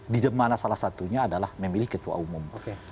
di mana salah satunya adalah memilih ketua umum